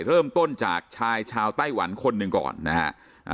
เริ่มต้นจากชายชาวไต้หวันคนหนึ่งก่อนนะฮะ